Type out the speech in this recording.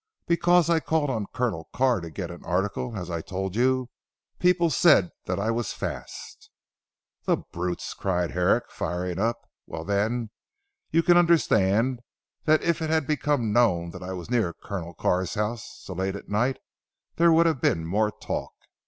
Because I called on Colonel Carr to get an article as I told you, people said that I was fast." "The brutes!" cried Herrick firing up. "Well then, you can understand that if it had become known that I was near Colonel Carr's house so late at night, there would have been more talk.